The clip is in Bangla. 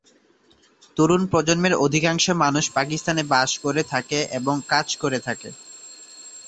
তরুণ প্রজন্মের অধিকাংশ মানুষ পাকিস্তানে বাস করে থাকে এবং কাজ করে থাকে।